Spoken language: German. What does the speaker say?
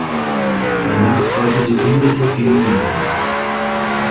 Bei Nacht sollte sie unbedingt gemieden werden.